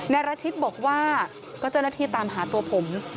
นายราชิตบอกว่าก็เจ้าหน้าที่ตามหาตัวผม